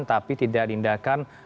tapi tidak diindahkan